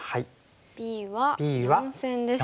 Ｂは４線ですね。